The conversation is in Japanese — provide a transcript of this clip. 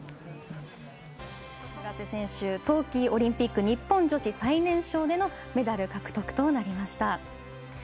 村瀬選手冬季オリンピック日本代表最年少でのメダル獲得となりました。